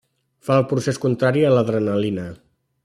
Fa el procés contrari a l’adrenalina.